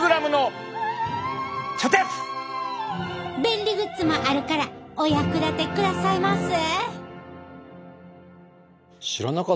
便利グッズもあるからお役立てくださいませ。